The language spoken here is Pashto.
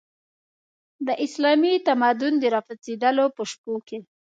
د اسلامي تمدن د راپرځېدلو په شپو کې.